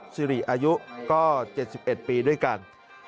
สิริอายุก็๗๑ปีด้วยกัน